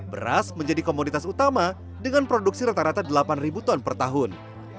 beras menjadi komoditas utama dengan produksi rata rata delapan ton per tahun